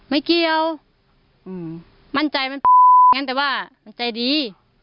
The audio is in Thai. ไม่เกี่ยวมั่นใจมันงั้นแต่ว่ามันใจดี